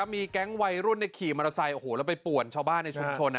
มีแก๊งวัยรุ่นขี่มอเตอร์ไซค์แล้วไปป่วนชาวบ้านในชุมชน